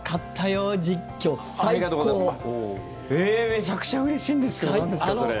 めちゃくちゃうれしいんですけどなんですか、それ！